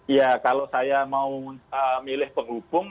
ya kalau saya mau milih penghubung